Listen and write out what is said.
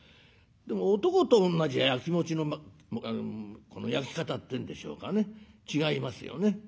でも男と女じゃやきもちのこのやき方っていうんでしょうかね違いますよね。